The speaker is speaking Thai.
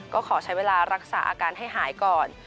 ก็ขอใช้เวลารักษาอาการให้หายก่อน